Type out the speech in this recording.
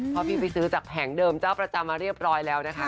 เพราะพี่ไปซื้อจากแผงเดิมเจ้าประจำมาเรียบร้อยแล้วนะคะ